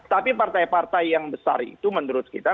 tapi partai partai yang besar itu menurut kita